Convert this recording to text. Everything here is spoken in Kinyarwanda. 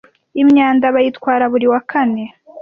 imyanda bayitwara buri wa kane